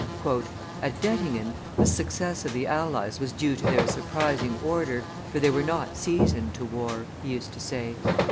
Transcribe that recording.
"At Dettingen the success of the allies was due to their surprising order, for they were not seasoned to war," he used to say.